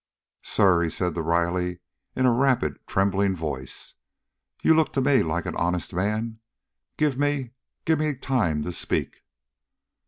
"Sir," he said to Riley in a rapid, trembling voice, "you look to me like an honest man. Give me give me time to speak."